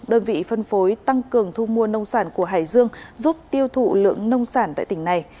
đơn vị phân phối tăng cường thu mua nông sản của hải dương giúp tiêu thụ lượng nông sản tại tỉnh này